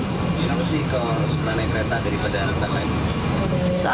gimana sih kalau sebenarnya naik kereta daripada anak anak lain